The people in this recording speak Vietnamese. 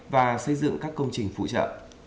và xây dựng các công trình phụ trợ